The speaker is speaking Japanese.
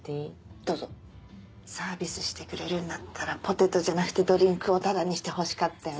どうぞ。サービスしてくれるんだったらポテトじゃなくてドリンクをタダにしてほしかったよね。